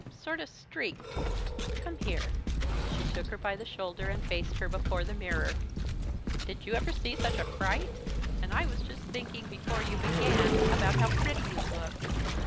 Sort of streaked. Come here!" She took her by the shoulder and faced her before the mirror. "Did you ever see such a fright? And I was just thinking, before you began, about how pretty you looked.